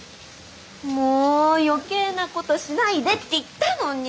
もう余計なことしないでって言ったのに！